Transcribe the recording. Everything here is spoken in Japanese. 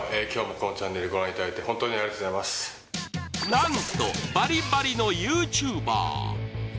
なんとバリバリのＹｏｕＴｕｂｅｒ。